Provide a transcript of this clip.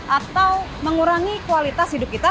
atau mengurangi kualitas hidup kita